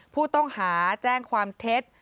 ผู้ต้องหาแจ้งความเท็จ